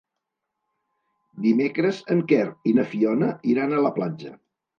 Dimecres en Quer i na Fiona iran a la platja.